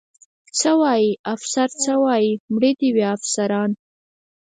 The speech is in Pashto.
څه وایي؟ افسر څه وایي؟ مړه دې وي افسران.